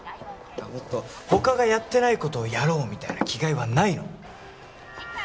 もっと他がやってないことをやろうみたいな気概はないの？